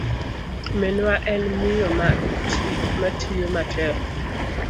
Minwa en miyo matiyo matek.